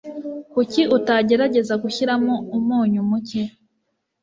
kuki utagerageza gushyiramo umunyu muke